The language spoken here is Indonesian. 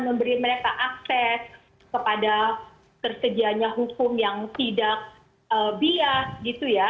memberi mereka akses kepada tersedianya hukum yang tidak bias gitu ya